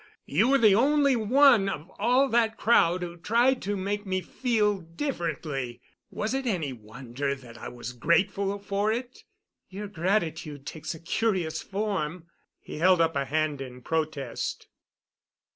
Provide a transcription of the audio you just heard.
You were the only one of all that crowd who tried to make me feel differently. Was it any wonder that I was grateful for it?" "Your gratitude takes a curious form." He held up a hand in protest.